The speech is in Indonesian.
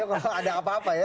merasa ada apa apa ya